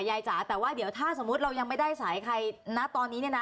ยายจ๋าแต่ว่าถ้าสมมุติเรายังไม่ได้สายใครนัดตอนนี้เนี้ยนะ